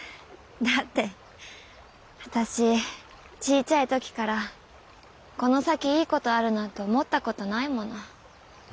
だって私小ちゃい時からこの先いい事あるなんて思った事ないもの。